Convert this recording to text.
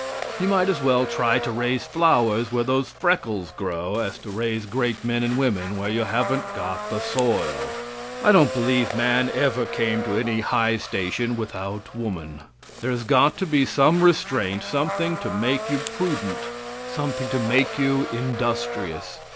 You might as well try to raise flowers where those freckles grow as to raise great men and women where you haven't got the soil. I don't believe man ever came to any high station without woman. There has got to be some restraint, something to make you prudent, something to make you industrious.